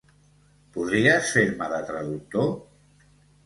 Podries fer-me de traductor?